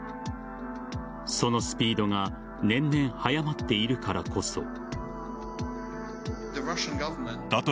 そのスピードが年々、速まっているからこそ。